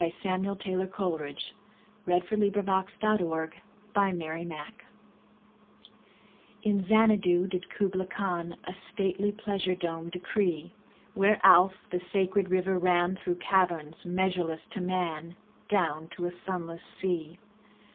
Samuel Taylor Coleridge. 1772–1834 550. Kubla Khan IN Xanadu did Kubla Khan A stately pleasure dome decree: Where Alph, the sacred river, ran Through caverns measureless to man Down to a sunless sea.